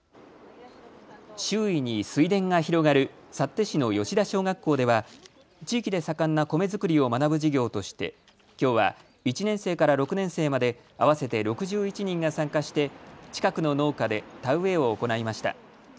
周囲に水田が広がる幸手市の吉田小学校では地域で盛んな米作りを学ぶ授業としてきょうは１年生から６年生まで合わせて６１人が参加して近くの農家で田植えを行いました。